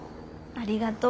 ありがとう。